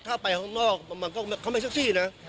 ถ้าไปข้างนอกลับมันก็ไม่แซคซี่นะ